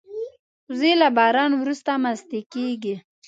وزې له باران وروسته مستې کېږي